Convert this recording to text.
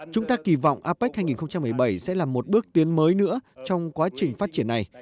chúng ta kỳ vọng apec hai nghìn một mươi bảy sẽ là một bước tiến mới nữa trong quá trình phát triển này